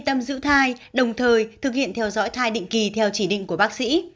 tâm giữ thai đồng thời thực hiện theo dõi thai định kỳ theo chỉ định của bác sĩ